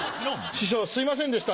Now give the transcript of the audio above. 師匠すいませんでした。